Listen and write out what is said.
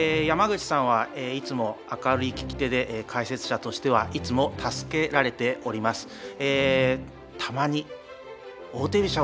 山口さんはいつも明るい聞き手で解説者としてはいつも助けられております。